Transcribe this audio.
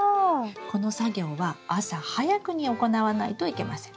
この作業は朝早くに行わないといけません。